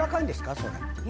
それ。